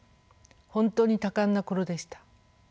本当に多感な頃でした。